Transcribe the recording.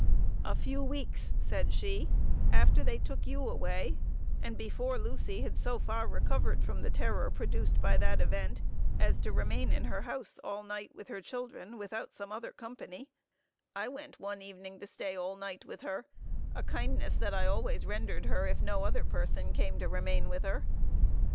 "A few weeks," said she, "after they took you away, and before Lucy had so far recovered from the terror produced by that event, as to remain in her house all night with her children, without some other company, I went one evening to stay all night with her; a kindness that I always rendered her, if no other person came to remain with her.